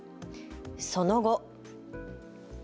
その後。